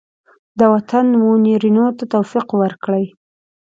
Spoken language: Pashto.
د وطن منورینو ته توفیق ورکړي.